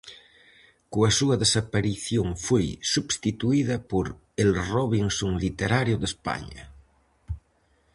Coa súa desaparición foi substituída por "El Robinson literario de España".